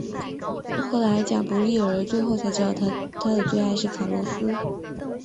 后来贾柏莉儿最后才知道她的最爱是卡洛斯。